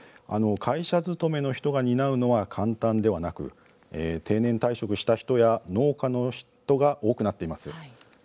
会社勤めの人が担うのは簡単ではなく、定年退職した人や農家の人が多くなっています。